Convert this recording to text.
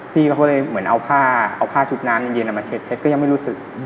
พี่เขาก็เลยเอาผ้าชุดน้ำในเย็นมาเช็ดเช็ดก็ยังไม่รู้สึก